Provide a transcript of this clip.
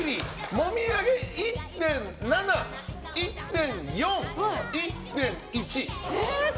もみあげ、１．７、１．４１．１！